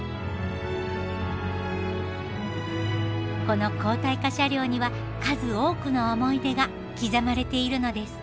この鋼体化車両には数多くの思い出が刻まれているのです。